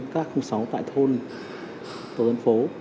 các khung sáu tại thôn tổ dân phố